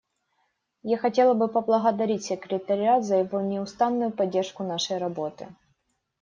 Я хотела бы поблагодарить секретариат за его неустанную поддержку нашей работы.